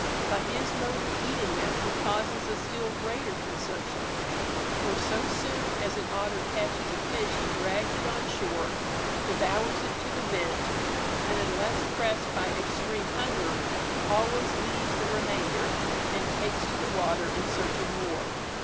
By his mode of eating them he causes a still greater consumption, for so soon as an otter catches a fish he drags it on shore, devours it to the vent, and, unless pressed by extreme hunger, always leaves the remainder, and takes to the water in search of more.